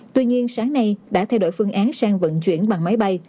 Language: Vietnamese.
tuy nhiên sáng nay đã thay đổi phương án sang vận chuyển bằng máy bay